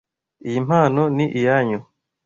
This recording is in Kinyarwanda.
Iyi mpano ni iyanyu.